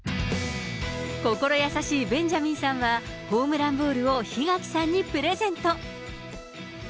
心優しいベンジャミンさんは、ホームランボールを檜垣さんにプレゼント。